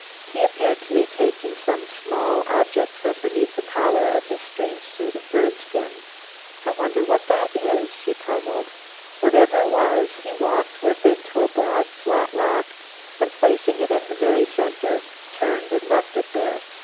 He appeared to be taking some small object from beneath the collar of his strange suit of bird skin. "I wonder what it is?" she puzzled. Whatever it was, he walked with it to a broad, flat rock, and placing it in the very center, turned and left it there.